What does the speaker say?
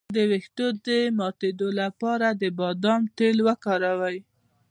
د ویښتو د ماتیدو لپاره د بادام تېل وکاروئ